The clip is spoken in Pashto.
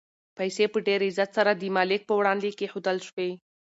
پیسې په ډېر عزت سره د مالک په وړاندې کېښودل شوې.